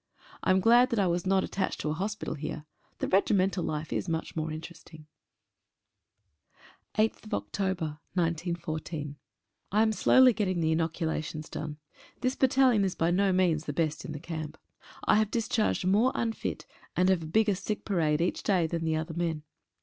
I am glad that I was not attached to a hospital here ; the regi mental life is much more interesting. «• B * 8/10/14. JAM slowly getting the inoculations done. This Battalion is by no means the best in the camp. I have discharged more unfit, and have a bigger sick parade each day than the other men.